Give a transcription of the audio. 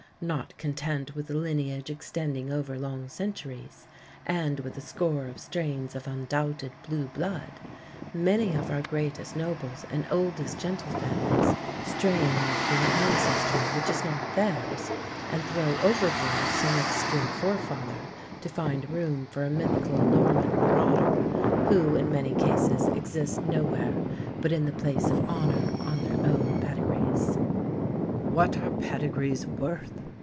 Not content with a lineage extending over long centuries, and with a score of strains of undoubted blue blood, many of our greatest nobles and oldest gentle families strain after an ancestry which is not theirs, and throw overboard some obscure forefather to find room for a mythical Norman marauder, who in many cases exists nowhere but in the place of honour on their own pedigrees. "What are pedigrees worth?"